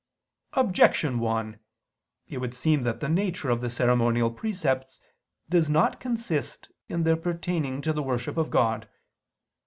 Objection 1: It would seem that the nature of the ceremonial precepts does not consist in their pertaining to the worship of God.